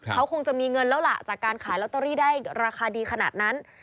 เขาคงจะมีเงินแล้วล่ะจากการขายลอตเตอรี่ได้ราคาดีขนาดนั้น